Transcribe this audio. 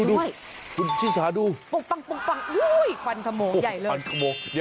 ดูชิ้นสาดูปุ๊กปังปุ๊กปังควันขโมงใหญ่เลย